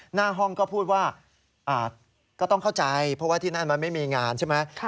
หน้าห้องก็พูดว่าก็ต้องเข้าใจเพราะว่าที่นั่นมันไม่มีงานใช่ไหม